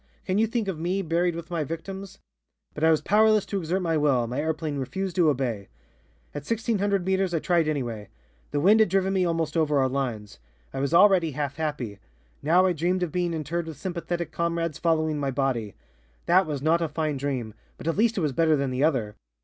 Can you think of me buried with my victims? But I was powerless to exert my will, my airplane refused to obey. "At 1,600 meters I tried anyway. The wind had driven me almost over our lines. I was already half happy. Now I dreamed of being interred with sympathetic comrades following my body. That was not a fine dream, but at least it was better than the other.